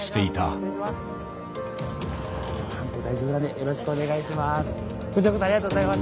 よろしくお願いします。